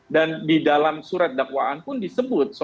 dan di dalam surat dakwaan pun disebut